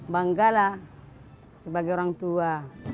bangga lah sebagai orang tua